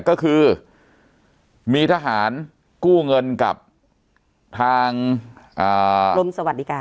ก็คือมีทหารกู้เงินกับทางกรมสวัสดิการ